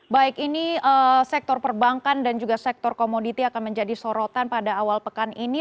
baik ini sektor perbankan dan juga sektor komoditi akan menjadi sorotan pada awal pekan ini